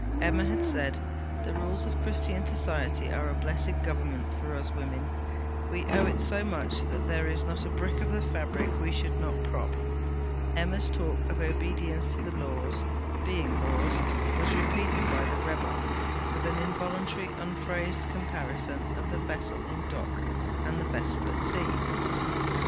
Emma had said: 'The rules of Christian Society are a blessed Government for us women. We owe it so much that there is not a brick of the fabric we should not prop.' Emma's talk of obedience to the Laws, being Laws, was repeated by the rebel, with an involuntary unphrased comparison of the vessel in dock and the vessel at sea.